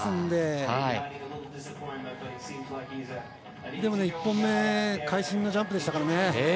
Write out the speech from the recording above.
でも１本目会心のジャンプでしたからね。